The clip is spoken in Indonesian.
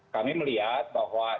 kami melihat bahwa